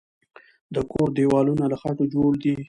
د کور دیوالونه له خټو جوړ دی.